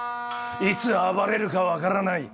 いつ暴れるか分からない